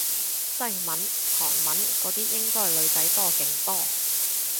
西文韓文嗰啲應該女仔多勁多